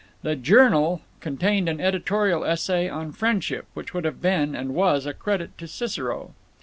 The Journal contained an editorial essay on "Friendship" which would have been, and was, a credit to Cicero.